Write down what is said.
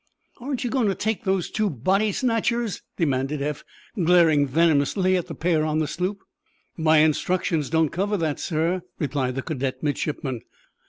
"Aren't you going to take those two—body snatchers?" demanded Eph, glaring venomously at the pair on the sloop. "My instructions don't cover that, sir," replied the cadet midshipman.